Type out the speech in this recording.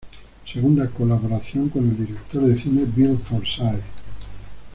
Segunda colaboración con el director de cine Bill Forsyth.